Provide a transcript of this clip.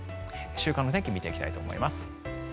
週間天気を見ていきたいと思います。